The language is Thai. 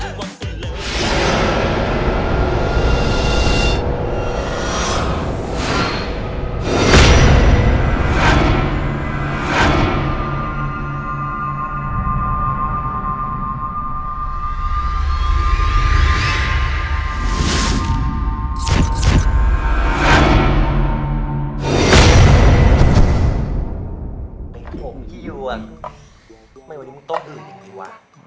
โหมันเป็นไรแค่แล้ว